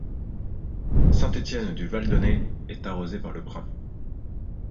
Saint-Étienne-du-Valdonnez est arrosée par le Bramont.